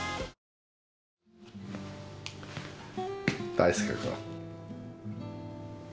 大介君。